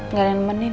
nggak ada yang nemenin